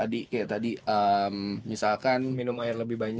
jadi tadi misalkan minum air lebih banyak